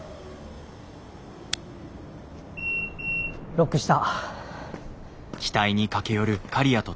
ロックした。